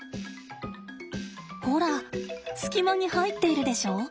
ほら隙間に入っているでしょ？